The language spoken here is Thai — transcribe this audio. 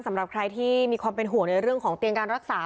สำหรับใครที่มีความเป็นห่วงในเรื่องของเตียงการรักษา